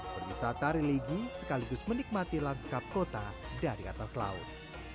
berwisata religi sekaligus menikmati lanskap kota dari atas laut